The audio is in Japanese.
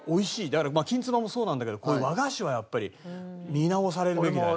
だからまあきんつばもそうなんだけどこういう和菓子はやっぱり見直されるべきだね。